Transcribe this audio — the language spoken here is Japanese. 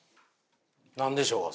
何でしょうか？